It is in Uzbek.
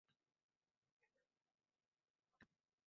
Olqishlashsa yoki shu spektaklim uchun unvon olaman